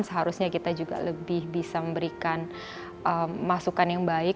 seharusnya kita juga lebih bisa memberikan masukan yang baik